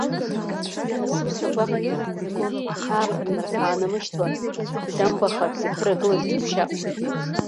Асыԥса агәаӷ икны иагон, ааԥынра аанамышьҭуа, идамбаха иаԥырагылаз џьушьап.